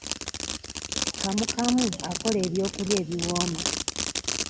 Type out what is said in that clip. Kamukamu akola ebyokulya ebiwooma.